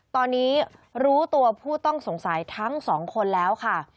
ตอนนี้รู้ตัวผู้ต้องสงสัยทั้งสองคนแล้วค่ะ